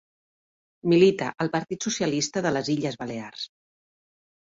Milita al Partit Socialista de les Illes Balears.